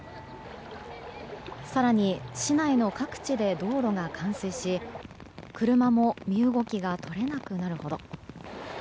更に市内の各地で道路が冠水し車も身動きが取れなくなるほど。